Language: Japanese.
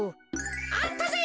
あったぜ！